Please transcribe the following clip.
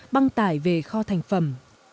băng tải về kho thành phẩm